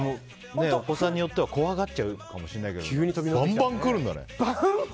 お子さんによっては怖がっちゃうかもしれないけど。